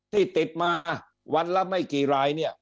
ที่ติดมาวันละไม่กี่ราย